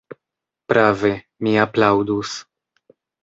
Prave, mi aplaŭdus.